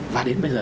và đến bây giờ